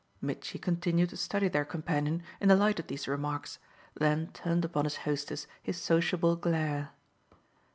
Mitchy continued to study their companion in the light of these remarks, then turned upon his hostess his sociable glare.